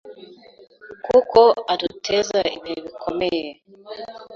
kuko aduteza ibihe bikomeye